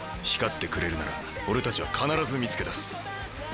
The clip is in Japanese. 光ってくれるなら俺たちは必ず見つけ出す。